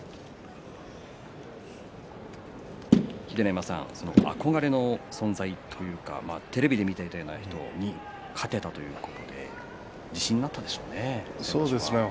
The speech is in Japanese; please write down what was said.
秀ノ山さん、憧れの存在だったテレビで見ていた遠藤その人に勝てたということで自信があったんでしょうね。